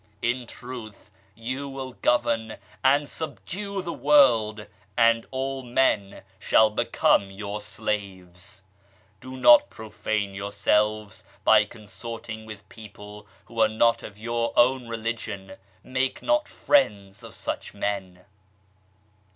In truth you will govern and subdue the world, and all men shall become your slaves. " Do not profane yourselves by consorting with people who are not of your own religion, make not friends of such men."